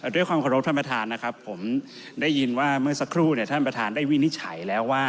ด้วยความขอรบท่านประธานนะครับผมได้ยินว่าเมื่อสักครู่เนี่ยท่านประธานได้วินิจฉัยแล้วว่า